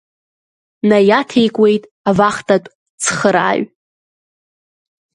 Наиаҭеикуеит авахтатә цхырааҩ.